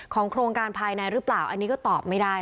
โครงการภายในหรือเปล่าอันนี้ก็ตอบไม่ได้